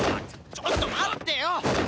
ちょっと待ってよ！